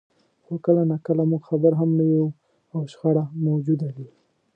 خو کله ناکله موږ خبر هم نه یو او شخړه موجوده وي.